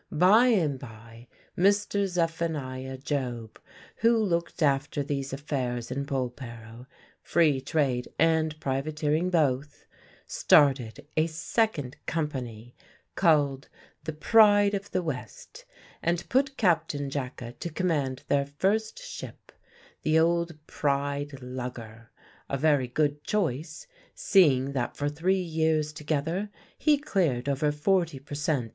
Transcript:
By and by Mr. Zephaniah Job, who looked after these affairs in Polperro free trade and privateering both started a second company called the "Pride of the West," and put Captain Jacka to command their first ship, the old Pride lugger; a very good choice, seeing that for three years together he cleared over forty per cent.